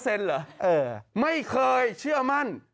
เออไม่เคยเชื่อมั่น๘๕๗